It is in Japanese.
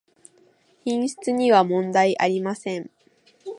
品質にはもんだいありません